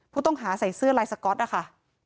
ผู้ต้องหาใส่เสื้อลายสก๊อตนะคะ